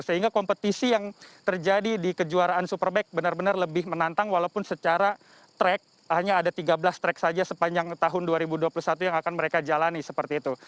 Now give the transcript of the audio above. sehingga kompetisi yang terjadi di kejuaraan superbike benar benar lebih menantang walaupun secara track hanya ada tiga belas track saja sepanjang tahun dua ribu dua puluh satu yang akan mereka jalani seperti itu